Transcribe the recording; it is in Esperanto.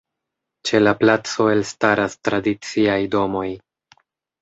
Ĉe la placo elstaras tradiciaj domoj.